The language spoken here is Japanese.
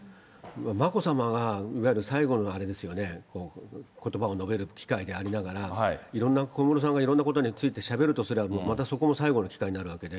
眞子さまが、いわゆる最後のあれですよね、ことばを述べる機会でありながら、いろんな、小室さんがいろんなことについてしゃべるとすれば、また、そこも最後の機会になるわけで。